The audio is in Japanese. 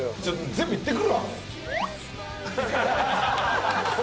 全部言ってくるわもう。